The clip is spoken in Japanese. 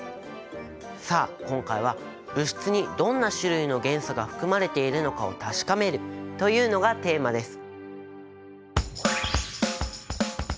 さあ今回は物質にどんな種類の元素が含まれているのかを確かめるというのがテーマです。